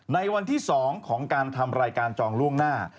ในวันที่๒ของการทำรายการจองล่วงหน้า